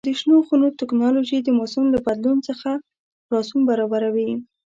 د شنو خونو تکنالوژي د موسم له بدلون څخه خلاصون برابروي.